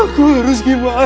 aku harus gimana kak